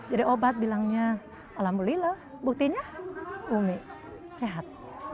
jadi obat bilangnya alhamdulillah buktinya umi sehat